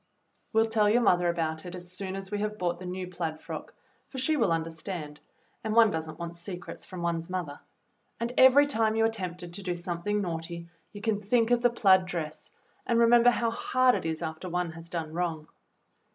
We'll tell your mother all about it as soon as we have bought the new plaid frock, for she will understand, and one does n't want secrets from one's mother; and every time you are tempted to do something naughty you can think of the plaid dress, and re member how hard it is after one has done wrong.